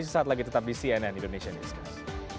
sesaat lagi tetap di cnn indonesia newscast